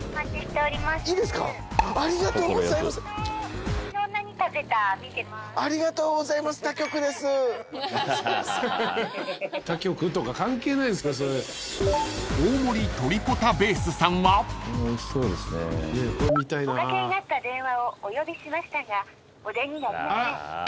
おかけになった電話をお呼びしましたがお出になりません。